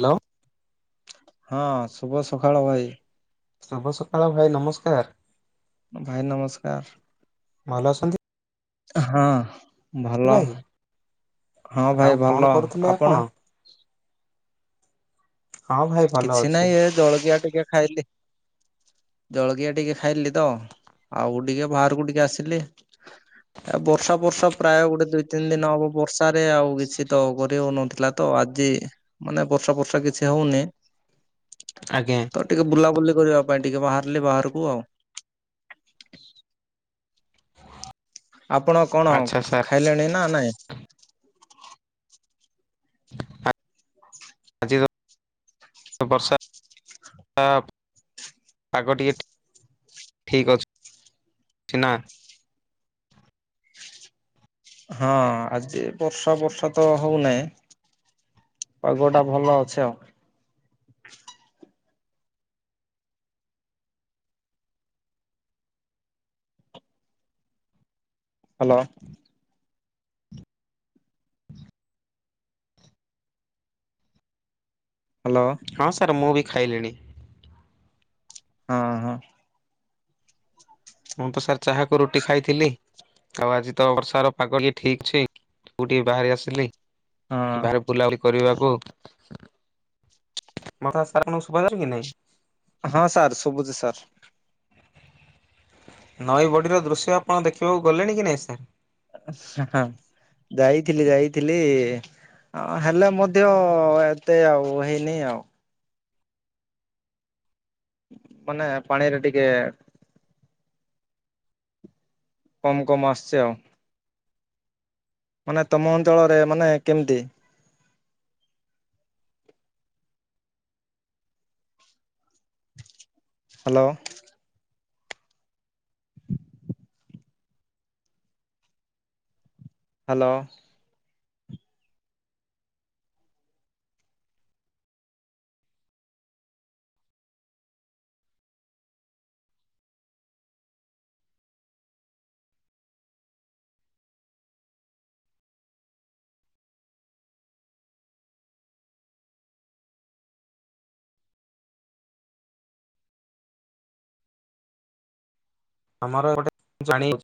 Hello. ହଁ ଶୁଭ ସକାଳ ଭାଇ। ଶୁଭ ସକାଳ ଭାଇ ନମସ୍କାର। ଭାଇ ନମସ୍କାର। ଭଲ ଅଛନ୍ତି। ହଁ ଭଲ ଭାଇ ହଁ ଆଉ ଭାଇ କଣ ଭଲ କରୁଥିଲେ ଆପଣ ହଁ ଭାଇ ଭଲ କିଛି ଅଛି। ନାଇଁ ଏ ଜଳଖିଆ ଟିକେ ଖାଇଲି। ଜଳଖିଆ ଟିକେ ଖାଇଲି ତ ଆଉ ଟିକେ ବାହାରକୁ ଟିକେ ଆସିଲି। ହଁ ଏ ବର୍ଷା ବର୍ଷା ପ୍ରାୟ ଗୋଟେ ଦୁଇ ତିନି ଦିନ ହବ ବର୍ଷାରେ ଆଉ କିଛି ତ କରି ହଉନଥିଲା ତ ଆଜି। ମାନେ ବର୍ଷା ବର୍ଷା କିଛି ହଉନି। ଆଜ୍ଞା। ତ ଟିକେ ବୁଲାବୁଲି କରିବା ପାଇଁ ଟିକେ ବାହାରିଲି ବାହାରକୁ ଆଉ। ଆପଣ କଣ ଆଚ୍ଛା ସାର୍ ଖାଇଲେଣି ନା ନାଇଁ। ଆ ଆଜିର ବର୍ଷା ଆପ୍ ପାଗ ଟିକେ ଠିକ୍ ଅଛିନା। ହଁ ଆଜି ବର୍ଷା ବର୍ଷା ତ ହଉନାଇଁ। ପାଗଟା ଭଲ ଅଛେ ଆଉ। ହ୍ୟାଲୋ। ହ୍ୟାଲୋ। ହଁ ସାର୍ ମୁଁ ବି ଖାଇଲିଣି। ହଁ ହଁ। ମୁଁ ତ ସାର୍ ଚାହାକୁ ରୁଟି ଖାଇଥିଲି। ଆଉ ଆଜି ତ ବର୍ଷାର ପାଗ ହି ଠିକ୍ ଅଛି ମୁଁ ଟିକେ ବାହାରି ଆସିଲି। ହଁ ବାରେ ବୁଲାବୁଲି କରିବାକୁ। ମୋର ସାର୍ ନୁ ସୁଭା ଯାଉନି କି ନାଇଁ। ହଁ ସାର୍ ଶୁଭୁଚି ସାର୍। ନଈ ବଡ଼ିର ଦୃଶ୍ୟ ଆପଣ ଦେଖିବାକୁ ଗଲେଣି କି ନାହିଁ ସାର୍। ହଁ ଯାଇଥିଲି ଯାଇଥିଲି। ହଁ ହେଲେ ମଧ୍ୟ ଏତେ ଆଉ ହେଇନି ଆଉ। ମାନେ ପାଣିରେ ଟିକେ କମ୍ କମ୍ ଆସଛି ଆଉ। ମାନେ ତମ ଅଞ୍ଚଳରେ ମାନେ କେମିତି? ହ୍ୟାଲୋ। ହ୍ୟାଲୋ। ଆମର ଏପଟେ ଜାଣି [inaudible]